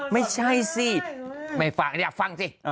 ไม่ใช่สิไม่ฟังฟังสิ